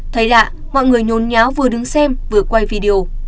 thấy lạ mọi người nhồn nháo vừa đứng xem vừa quay video